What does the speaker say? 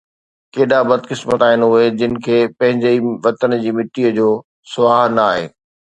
ڪيڏا بدقسمت آهن اُهي جن کي پنهنجي ئي وطن جي مٽيءَ جو سُهاءُ ناهي